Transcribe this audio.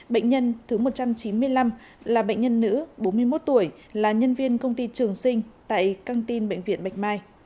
bệnh nhân thứ một trăm chín mươi năm là bệnh nhân nữ bốn mươi một tuổi là nhân viên công ty trường sinh tại căng tin bệnh viện bạch mai